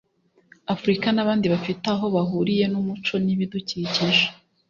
Afurika n’abandi bafite aho bahuriye n’umuco n’ibidukikije